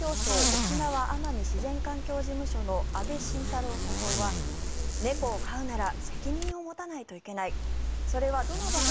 沖縄奄美自然環境事務所の阿部慎太郎所長は猫を飼うなら責任を持たないといけない